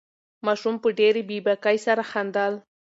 ماشوم په ډېرې بې باکۍ سره خندل.